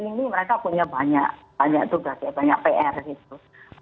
ini mereka punya banyak tugas ya banyak pr gitu